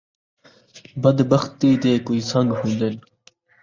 بد بختی دے کوئی سن٘ڳ ہون٘دن